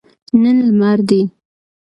نن لمر دی